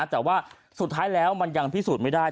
แต่ว่าสุดท้ายแล้วมันยังพิสูจน์ไม่ได้